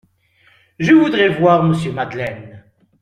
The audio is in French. Je voudrais voir monsieur Madeleine.